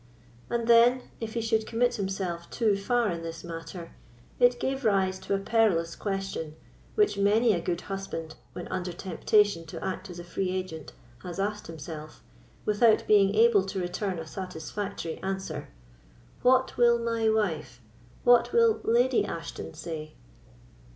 And then, if he should commit himself too far in this matter, it gave rise to a perilous question, which many a good husband, when under temptation to act as a free agent, has asked himself without being able to return a satisfactory answer: "What will my wife—what will Lady Ashton say?"